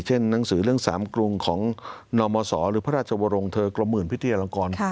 เช่นหนังสือเรื่องสามกรุงของนอมโมสรหรือพระราชวรงศ์เธอกลมมืนพิธีอลังกร